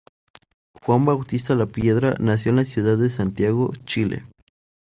Juan Bautista Lapiedra nació en la ciudad de Santiago, Chile.